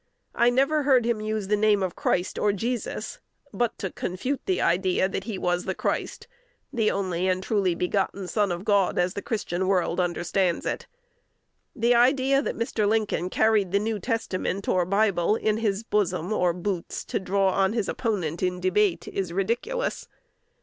I never heard him use the name of Christ or Jesus but to confute the idea that he was the Christ, the only and truly begotten Son of God, as the Christian world understands it. The idea that Mr. Lincoln carried the New Testament or Bible in his bosom or boots, to draw on his opponent in debate, is ridiculous.